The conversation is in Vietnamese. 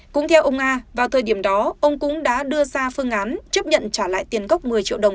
cũng theo ông nga vào thời điểm đó ông cũng đã đưa ra phương án chấp nhận trả lại tiền gốc một mươi triệu đồng